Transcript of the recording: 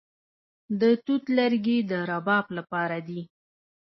د توت لرګي د رباب لپاره دي.